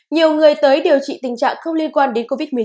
nhiều người tới điều trị tình trạng không liên quan đến covid một mươi chín